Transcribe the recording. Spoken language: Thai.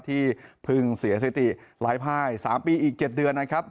ที่เพิ่งเสียสถิติหลายภาย๓ปีอีก๗เดือนนะครับ